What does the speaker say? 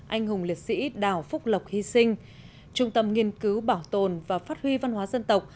anh hùng liệt sĩ đào phúc lộc hy sinh trung tâm nghiên cứu bảo tồn và phát huy văn hóa dân tộc